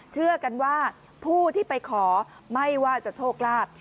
เชื่อกันว่าผู้ที่ไปขอไม่ว่าจะโชคลาภ